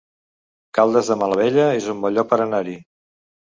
Caldes de Malavella es un bon lloc per anar-hi